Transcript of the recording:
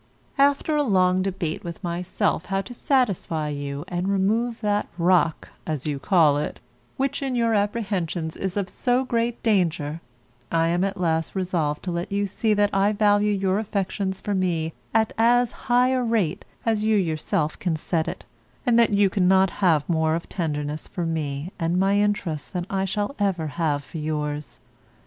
After a long debate with myself how to satisfy you and remove that rock (as you call it), which in your apprehensions is of so great danger, I am at last resolved to let you see that I value your affections for me at as high a rate as you yourself can set it, and that you cannot have more of tenderness for me and my interests than I shall ever have for yours.